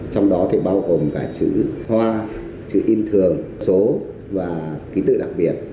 trong đó thì bao gồm cả chữ hoa chữ in thường số và ký tự đặc biệt